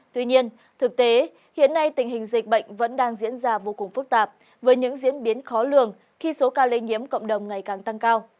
tuy nhiên thực tế hiện nay tình hình dịch bệnh vẫn đang diễn ra vô cùng phức tạp với những diễn biến khó lường khi số ca lây nhiễm cộng đồng ngày càng tăng cao